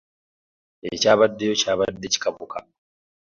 Ekyabaddeyo kyabadde kika buka!